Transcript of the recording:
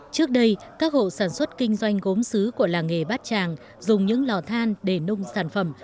trước đây các hộ sản xuất kinh doanh gốm xứ của làng nghề bát tràng dùng những lò than để nung sản phẩm